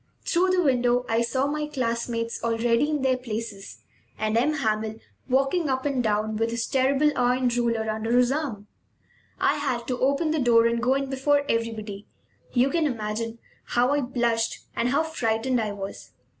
Through the window I saw my classmates, already in their places, and M. Hamel walking up and down with his terrible iron ruler under his arm. I had to open the door and go in before everybody. You can imagine how I blushed and how frightened I was.